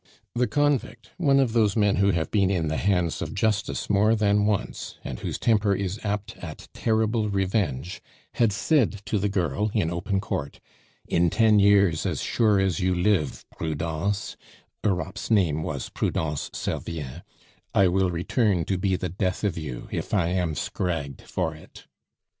The convict, one of those men who have been in the hands of justice more than once, and whose temper is apt at terrible revenge, had said to the girl in open court: "In ten years, as sure as you live, Prudence" (Europe's name was Prudence Servien), "I will return to be the death of you, if I am scragged for it."